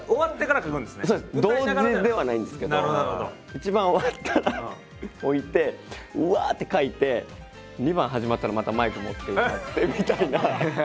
１番終わったら置いてうわって描いて２番始まったらまたマイク持って歌ってみたいな。